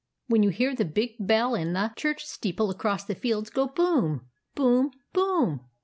When you hear the big bell in the church steeple across the fields go boom ! boom ! boom